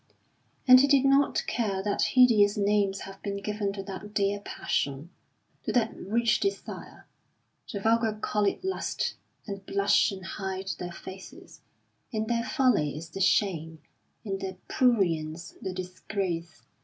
And he did not care that hideous names have been given to that dear passion, to that rich desire. The vulgar call it lust, and blush and hide their faces; in their folly is the shame, in their prurience the disgrace.